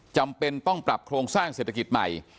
จำเป็นต้องปรับโครงสร้างเศรษฐกิจใหม่